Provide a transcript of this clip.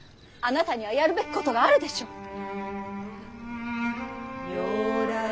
あなたにはやるべきことがあるでしょう！